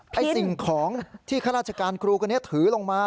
พิ้นสิ่งของที่คัทรัชการครูคนนี้ถือลงมา